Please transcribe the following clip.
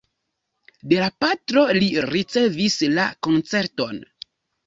De la patro li ricevis la koncerton.